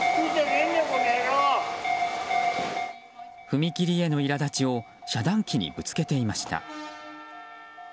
踏切への苛立ちを遮断機にぶつけていました。